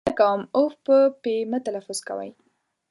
هیله کوم اف په پي مه تلفظ کوی!